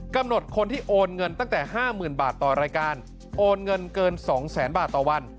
คนที่โอนเงินตั้งแต่๕๐๐๐บาทต่อรายการโอนเงินเกิน๒แสนบาทต่อวัน